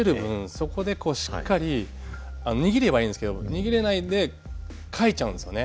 そこでしっかり握ればいいんですけど握れないでかいちゃうんですよね。